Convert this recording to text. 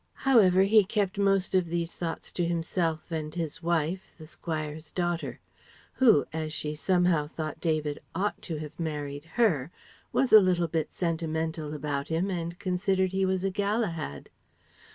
However, he kept most of these thoughts to himself and his wife, the squire's daughter; who as she somehow thought David ought to have married her, was a little bit sentimental about him and considered he was a Galahad.